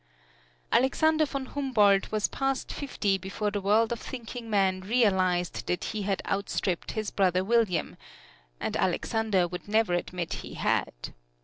Alexander von Humboldt was past fifty before the world of thinking men realized that he had outstripped his brother William and Alexander would never admit he had.